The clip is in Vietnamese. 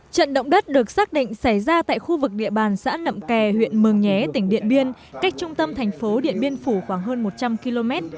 trận động đất được xác định xảy ra tại khu vực địa bàn xã nậm kè huyện mường nhé tỉnh điện biên cách trung tâm thành phố điện biên phủ khoảng hơn một trăm linh km